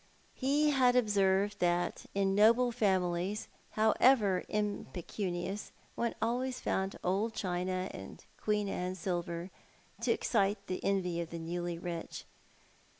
He had observed that in noble families however impecunioixs, one always found old china and Queen Anne silver, to excite the envy of the newly rich.